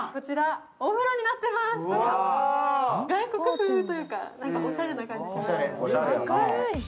外国風というか、何かおしゃれな感じがします。